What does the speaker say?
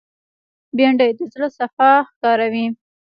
بېنډۍ د زړه صفا ښکاروي